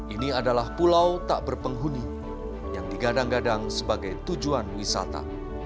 ini adalah pulau tak berpenghuni yang digadang gadang sebagai tujuan wisata